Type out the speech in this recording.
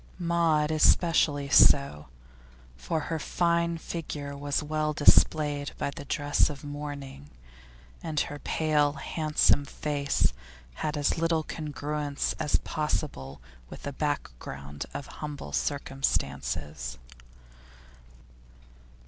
Maud especially so, for her fine figure was well displayed by the dress of mourning, and her pale, handsome face had as little congruence as possible with a background of humble circumstances.